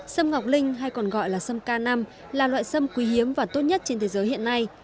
sâm ngọc linh hay còn gọi là sâm ca năm là loại sâm quý hiếm và tốt nhất trên thế giới hiện nay